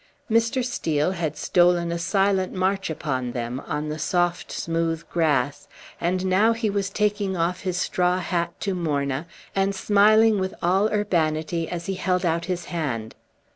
Mr. Steel had stolen a silent march upon them, on the soft, smooth grass; and now he was taking off his straw hat to Morna, and smiling with all urbanity as he held out his hand.